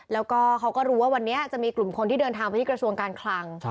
แล้วก็เขาก็รู้ว่าวันนี้จะมีกลุ่มคนที่เดินทางไปที่กระทรวงการคลัง